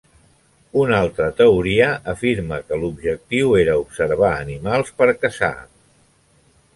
Una altra teoria afirma que l'objectiu era observar animals per caçar.